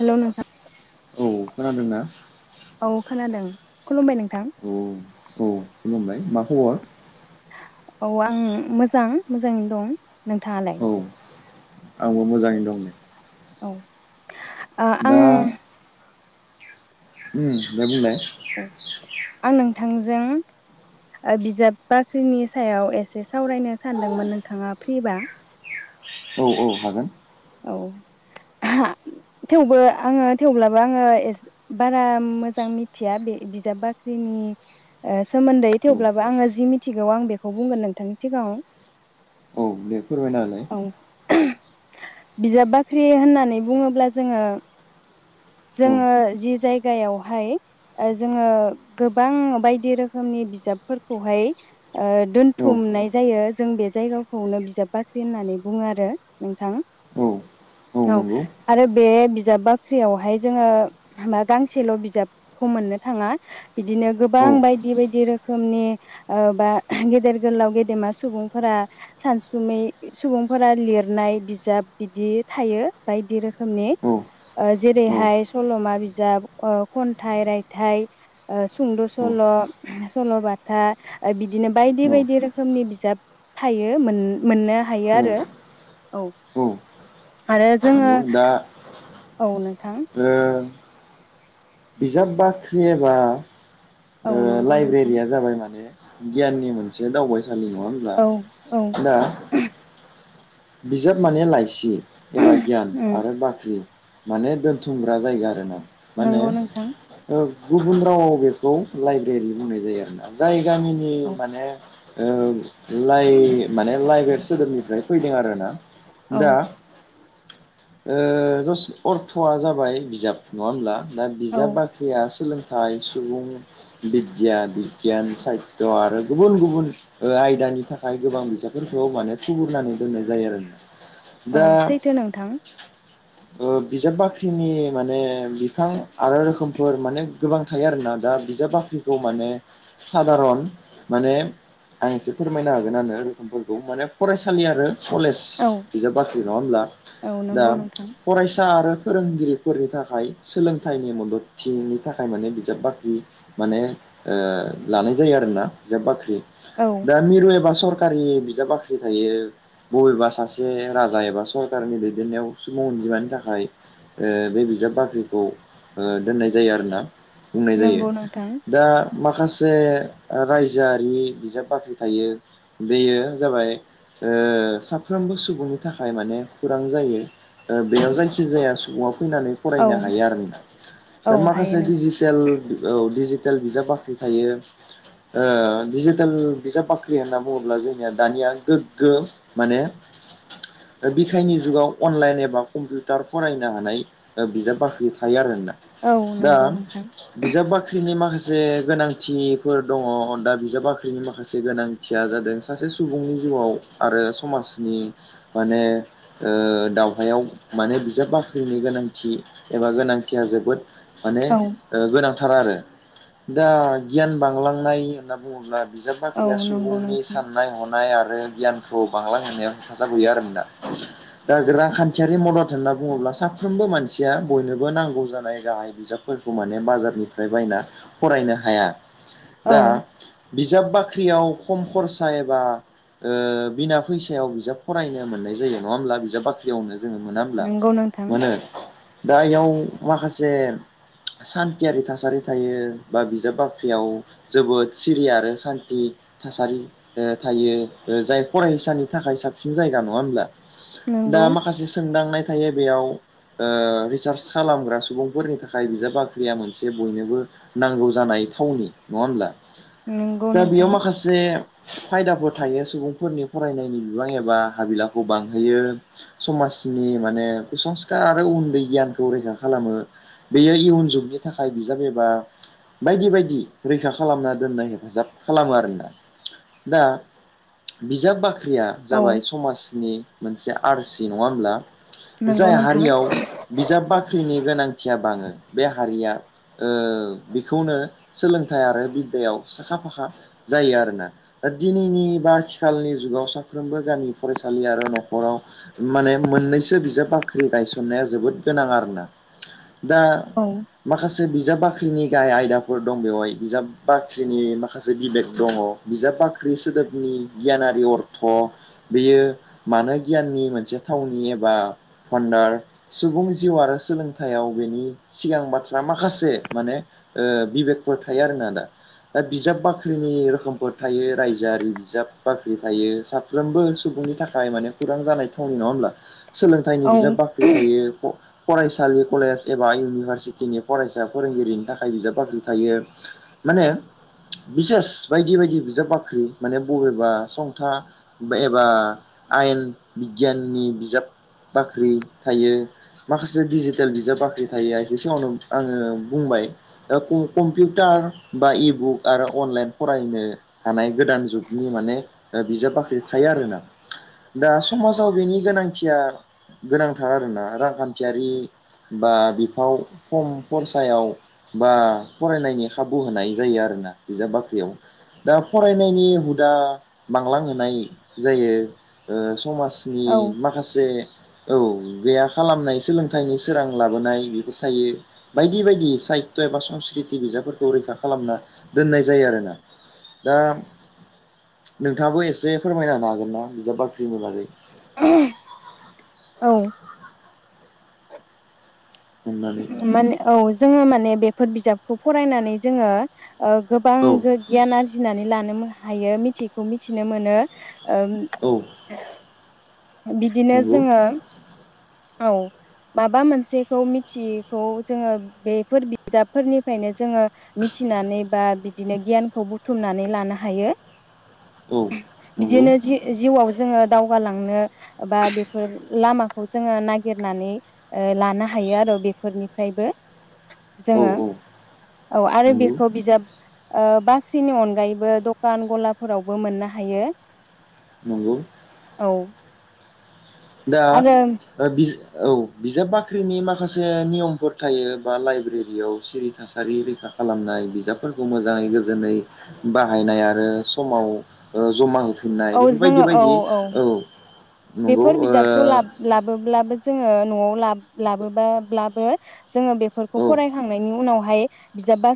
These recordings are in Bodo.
हेल नोंथां औ खोनादोंना? औ खोनादों, खुलुमबाय नों औ औ खुलुमबाय। मा खबर? औ आं मोजां मोजाङैनो दं। नोंथाङालाय? औ आंबो मोजाङैनो दं । औ ओ दा आं उम दे बुंलाय औ आं नोंथांजों ओ बिजाब बाख्रिनि सायाव एसे सावरायनो सानदोंमोन नोंथाङा फ्रिबा? औ औ हागोन। औ थेवबो आङो थेवब्लाबो आङो एस बारा मोजां मिथिया बे बिजाब बाख्रिनि ओ सोमोन्दै औ थेवब्लाबो आङो जि मिथिगौ आं बेखौ बुंगोन नोंथांनि सिगाङाव। बे फोरमायनाहोलाय। औ बिजाब बाख्रि होननानै बुङोब्ला जोङो औ जोङो जि जायगायावहाय ओ जोङो गोबां बायदि रोखोमनि बिजाबफोरखौहाय ओ औ दोनथुमनाय जायो जों बे जायगाखौनो बिजाब बाख्रि होननानै बुङो आरो नोंथां औ औ आरो बे बिजाब बाख्रियावहाय जोङो मा गांसेल बिजाबखौ मोननो थाङा। बिदिनो औ गोबां बायदि बायदि रोखोमनि ओ बा गेदेर गोलाव गेदेमा सुबुंफोरा सानसुमै सुबुंफोरा लिरनाय बिजाब बिदि थायो बायदि रोखोमनि औ ओ औ जेरैहाय सलमा बिजाब ओ खन्थाइ रायथाइ ओ सुंद सल सलबाथा ओ बिदिनो बायदि औ बायदि रोखोमनि बिजाब थायो मोन मोननो हायो आरो औ आरो जोङो नंगौ दा औ नोंथां ओ बिजाब बाख्रि एबा औ ओ नंगौ नोंथां लाइब्रेरिया जाबाय माने गियाननि मोनसे दावबाय [unintelligible] नि नङा होनब्ला? औ औ दा बिजाब माने लायसि एबा गियान उम आरो बाख्रि माने दोनथुमग्रा जायगा आरो ना माने नंगौ नोंथां औ गुबुन रावाव बेखौ लाइब्रेरि बुंनाय जायो आरोना जाय गामिनि औ माने औ लाइ माने लाइ सोदोबनिफ्राय फैदों आरोना औ दा ओ दस अर्थआ जाबाय बिजाब नङा होमब्ला दा औ बिजाब बाख्रिया सोलों थाइ सुबुं बिद्धिया, बिगियान, साहित्य आरो गुबुन गुबुन आयदानि थाखाय गोबां बिजाफोरखौ माने थुबुरनानै दोननाय जायो आरोना। औ दा सैथो नोंथां। ओ बिजाब बाख्रिनि माने बिफां आरो रोखोमफोर माने गोबां थायो आरोना दा बिजाब बाख्रिखौ माने सादारन माने आं एसे फोरमायनो हागोन आरो रोखोमफोरखौ माने फरायसालि आरो कलेज औ बिजाब बाख्रि नङा होनब्ला औ दा नंगौ नोंथां फरायसा आरो फोरोंगिरिफोरनि थाखाय सोलोंथाइनि मददथिनि थाखाय माने बिजाब बाख्रि माने ओ लानाय जायो आरोना बिजाब बाख्रि। औ दा मिरु एबा सर खारि बिजाब बाख्रि थायो। बबेबा सासे राजा एबा सरकारनि दैदेननायाव सुबुं अनजिमानि थाखाय ओ बे बिजाब बाख्रिखौ दोननाय जायो आरोना बुंनाय जायो नंगौ नोंथां दा माखासे रायजोआरि बिजाब बाख्रि थायो बेयो जाबाय ओ साफ्रोमबो सुबुंनि थाखाय माने खौरां जायो ओ बेयाव जायखिजाया सुबुंआ फैनानै औ फरायनो हायो आरो नो औ दा हायो माखासे नोंथां डिजिटेल औ डिजि टेल बिजाब बाख्रि थायो ओ डिजिटेल बिजाब बाख्रि होनना बुङोब्ला जोंनिया दानिया गो माने बिखायनि जुगाव अनलाइन एबा कम्पिउटार फरायनो हानाय बिजाब बाख्रि थायो आरो ना। औ दा नंगौ नोंथां बिजाब बाख्रिनि माखासे जे गोनांथिनिफोर दङ। दा बिजाब बाख्रिनि माखासे गोनांथिया जादों सासे सुबुंनि जिउआव आरो समाजनि माने ओ दावहायाव माने बिजाब बाख्रिनि गोनांथि एबा गोनांथिया जोबोद माने औ ओ गोनां थार आरो। दा गियान बांलांनाय होनना बुङोब्ला बिजाब औ बाख्रिया नंगौ सुबुंनि नोंथां साननाय हनाय आरो [unintelligible] बांलां होनायाव हेफाजाब गैया आरो बेना दा रांखान्थियारि मदद होनना बुङोब्ला साफ्रोमबो मानसिया बयनोबो नांगौ जानाय गाहाय बिजाबफोरखौ माने बाजारनिफ्राय बायना फरायनो हाया‌। दा औ बिजाब बाख्रियाव खम खरसा एबा ओ बिना फैसायाव बिजाब फरायनो मोननाय जायो नङा होमब्ला बिजाब बाख्रियावनो जोङो मोनाब्ला नंगौ नोंथां मोनो दा इयाव माखासे सान्थियारि थासारि थायो बा बिजाब बाख्रियाव जोबोद सिरि आरो सान्थि थासारि थायो ओ जाय। फरायसानि थाखाय साबसिन जायगा नङा होमब्ला। दा नंगौ माखासे सोंदांनाय थायो बेयाव रिसार्च खालामग्रा सुबुंफोरनि थाखाय बिजाब बाख्रिया मोनसे बयनोबो नांगौ जानाय थावनि नङा होनब्ला। नंगौ दा बेयाव नोंथां माखासे फायदाफोर थायो सुबुंफोरनि फरायनायनि बिबां एबा हाबिलाखौ बांहोयो समाजनि माने संस्कार आरो उन्दै गियानखौ रैखा खालामो बेयो इयुन जुगनि थाखाय बिजाब एबा बायदि बायदि रैखा खालामना दोननाय हेफाजाब खालामो आरोना दा बि जाब बाख [unintelligible] ख्रिया औ जाबाय समाजनि। मोनसे आरसि नङा होनोमब्ला? नंगौ जाय नोंथां हारियाव बिजाब बाख्रिनि गोनांथिया बाङो बे हारिया ओ बेखौनो सोलोंथाइ आरो बिद्दायाव साखा फाखा जायो आरोना दा दिनैनि बारथि खालनि जुगाव साफ्रोमबो गामि फरायसालि आरो नखराव माने मोननैसो बिजाब बाख्रि गायसननाया जोबोद गोनां आरोना दा औ माखासे। सो बिजाब बाख्रिनि गाहाय आयदाफोर दं बेवहाय बिजाब बाख्रिनि माखासे बिबेक दङ बिजाब बाख्रि सोदोबनि गियानारि अर्थ बेयो मानो गियाननि मोनसे थावनि एबा फानडार सुबुं जिउ आरो सोलोंथायाइाव बेनि सिगां बाथ्रा माखासे माने ओ बिबेकफोर थायो आरोना दा बिजाब बाख्रिनि रोखोमफोर थायो रायजोआरि बिजाब। बाख्रि थायो साफ्रोमबो सुबुंनि थाखाय माने खौरां जानाय थावनि नङा होमब्ला सोलोंथाइनि औ बिजाब बाख्रि थायो, फरायसालि कलेज एबा इउनिभारसिटिनि फरायसा फोरोंगिरिनि थाखाय बिजाब बाख्रि थायो माने बिसेस बायदि बायदि बिजाब बाख्रि माने बबे एबा संथा एबा आयेन बिगियाननि बिजाब बाख्रि थायो माखासे दिडिजिटेल बिजाब बाख्रि थायो एसे समावनो आङो बुंबाय कम्पिउटार बा इबुक आरो अनलाइन फरायनो हानाय गोदान जुग माने बिजाब बाख्रि थायो आरोना दा समाजाव बेनि गोनांथिया गोनांथार आरोना रांखान्थियारि बा बिफाव खम फरसायाव बा फरायनायनि खाबु होनाय जायो आरोना बिजाब बाख्रियाव दा फरायनायनि दा बांलांहोनाय जायो ओ समाजनि औ माखासे। औ गैया खालामनाय सोलोंथाइनि सोरां लाबोनाय बेफोर थायो बायदि बायदि साहित्य एबा संस्कृति बिजाबफोरखौ रैखा खालामना दोननाय जायो आरोना दा नोंथाङाबो एसे फोरमायना होनो हागोन ना बिजाब बाख्रिनि बागै औ। अननानै माने औ जोङो माने बे। फोर बिजाबखौ फरायनानै जोङो। गोबां औ गो गियान आरजिनानै लानो हायो मिथियैखौ मिथिनो मोनो ओं औ बिदिनो नंगौ जोङो औ माबा मोनसेखौ मिथियैखौ जोङो बेफोर बिजाबफोरनिफ्रायनो जोङो मिथिनानै बा बिदिनो गियानखौ बुथुमनानै लानो हायो औ नंगौ बिदिनो जि -जिउआव जोङो दावगालांनो बा बेफोर लामाखौ जोङो नागिरनानै ओ लानो हायो आरो बेफोरनिफ्रायबो औ जोङो औ औ आरो नंगौ बेखौ बिजाब ओ बाख्रिनि अनगायैबो दखान गलाफोरावबो मोननो हायो नंगौ औ दा आरो ओ बिजा औ बिजाब बाख्रिनि माखासे नियमफोर थायो बा लाइब्रेरियाव सिरि थासारि रैखा खालामनाय बिजाबफोरखौ मोजाङै गोजोनै बाहायनाय आरो समाव ओ जमा होफै फिननाय औ बेफोर बायदि जोङो औ बायदि औ नंगौ बेफोर बिजाबखौ ओ लाबो- लाबोब्लाबो जोङो नआव लाबो लाबोबाब्लाबो जोङो बेफोरखौ औ फरायखांनायनि उनाव हाय बिजाब बा।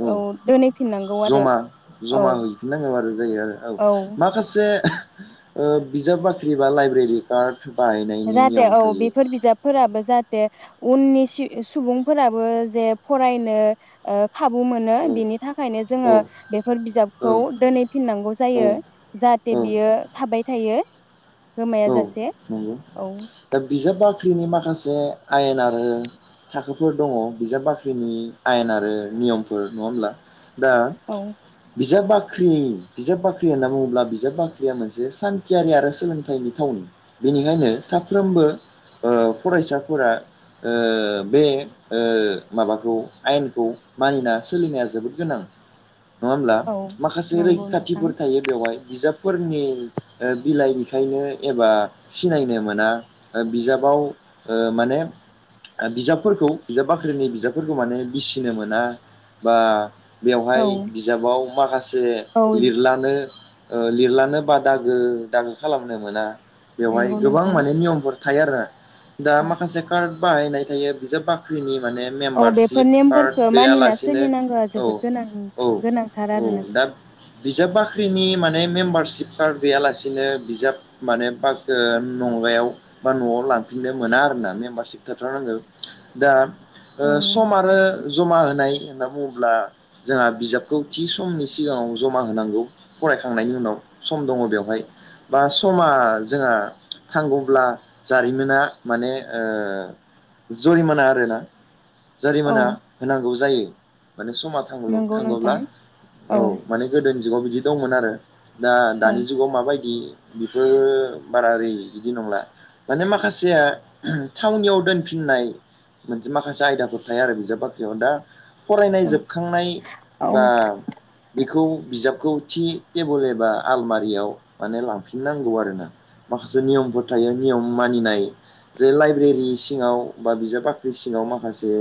औ जमा औ जमा हैफिननांगौ आरो जायो आरो औ माखासे ओ बिजाब बाख्रि बा लाइब्रेरि कार्ड बाहायनायनि जाहाथे नियम औ थायो बेफोर बिजाबफोराबो जाहाथे उननि सि-सुबुंफोराबो जे फरायनो ओ खाबु मोनो बिनि औ थाखायनो जोङो औ बेफोर बिजाबखौ औ दोनहैफिननांगौ जायो औ औ जाहाथे बियो थाबाय थायो गोमाया औ जासे नंगौ औ दा बिजाब बिजाब बाख्रिनि माखासे आयेन आरो थाखोफोर दङ बिजाब बाख्रिनि आयेन आरो नियमफोर नङा होमब्ला दा औ बिजाबाख्रि बाख्रि बिजाब बाख्रि होनना बुङोब्ला बिजाब बाख्रिया मोनसे सान्थियारि आरो सोलोंथाइनि थावनि बेनिखायनो साफ्रोमबो ओ फरायसाफोरा ओ बे ओ माबाखौ आयेनखौ मानिना सोलिनाया जोबोद गोनां नङा होमब्ला औ माखासे नंगौ नोंथां रैखाथिफोर थायो बेवहाय बिजाब फोरनि ओ बिलाइ बिखायनो एबा सिनायनो मोना बिजाबाव ओ माने बिजाबफोरखौ बिजाब बाख्रिनि बिजाबफोरखौ माने बिसिनो मोना बा औ बेवहाय बिजाबाव माखासे औ लिरल्लानो ओ लिरलानो बा दागो दागो खालामनो मोना बेवहाय नंगौ गोबां नोंथां माने नियमफोर थायो आरो दा औ माखासे कार्द बाहायनाय थायो बिजाब बाख्रिनि माने औ बेफोर मेम्बारशिप कार्द नेमफोरखौ मानिना गैयालासिनो सोलिनांगौआ जोबोद गोनां गोनांथार औ-औ-औ आरो दा नोंथां बिजाब बाख्रिनि मान बे मेम्बारशिप कार्ड गैयालासिनो बिजाब माने [unintelligible] बा नआव लांफिननो मोना आरोना मेम्बारशिब थाथार नांगो दा ओ औ सम नंगौ आरो नोंथां जमा होनाय होनना बुङो अब्ला जोंहा बिजाबखौ थि समनि सिगाङाव जमा होनांगौ फरायखांनायनि उनाव सम दङ बेवहाय बा स समा जोंहा थांगौब्ला जारिमिना माने जुरिमाना आरोना औ जारिमिना होनांगौ जायो माने समा थाङो नंगौ थाङोब्ला नोंथां औ माने गोदोनि जुगाव बिदि दंमोन आरो दा औ दानि जुगाव माबायदि बेफोर बारा ओरै बिदि नंला माने माखासेया थावनियाव दोनफिननाय मोनसे माखासे आयदाफोर थायो आरो बिजाब बाख्रियाव दा फरायनाय औ जोबखांनाय बा औ बेखौ बिजाबखौ थि टेबोल एबा आलमारियाव माने लांफि फिननांगौ आरोना माखासे नियमफोर थायो नियम मानिनाय जे लाइब्रेरि सिङाव बा बिजाब बाख्रि सिङाव माखासे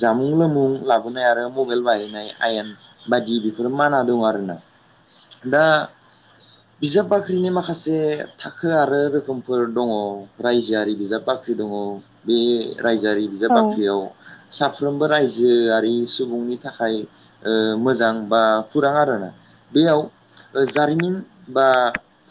जामुं लोमुं लाबोनाय आरो मबाइल बाहायनाय आयेन बायदि बिफोर माना दं आरो ना दा बिजाब बाख्रि बाख्रिनि माखासे थाखो आरो रोखोमफोर दङ रायजोआरि बिजाब बाख्रि दङ बे रायजोआरि बिजाब औ बाख्रियाव साफ्रोमबो रायजो जोआरि सुबुंनि थाखाय ओ मोजां बा खुरां आरोना बेयाव जारिमिन बा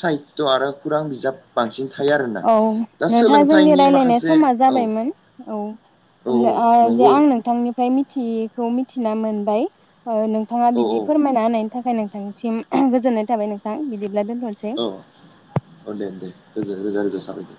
साहित्य आरो खुरां बिजाब बांसिन थायो आरोना औ दा नोंथाङा जोंनि सोलोंथाइनि रायलायनाय माखासे समा औ जाबायमोन औ औ नो जे नंगौ आं नोंथांनिफ्राय मिथियैखौ मिथिना मोन बाय ओ नोंथाङा औ बिदि औ फोरमायना होनायनि थाखाय नोंथांनि सिम गोजोननाय थाबाय नोंथां बिदि औ अ दे दे रोजा रोजा रोजा साबायखर